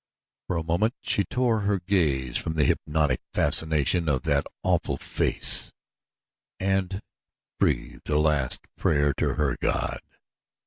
For a moment she tore her gaze from the hypnotic fascination of that awful face and breathed a last prayer to her God.